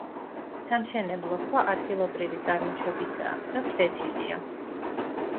სამშენებლო ქვა ადგილობრივი წარმოშობისაა და ფლეთილია.